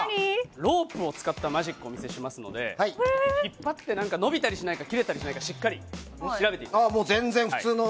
ロープを使ったマジックをお見せしますので引っ張って伸びたりしないか切れたりしないかしっかり調べていただいて。